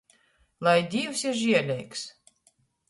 Lai Dīvs ir žieleigs!